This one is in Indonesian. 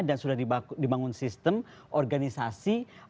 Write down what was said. dan sudah dibangun sistem organisasi